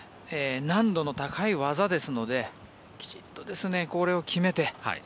難度の高い技ですのできちんとこれを決めて。